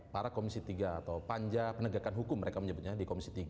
para komisi tiga atau panja penegakan hukum mereka menyebutnya di komisi tiga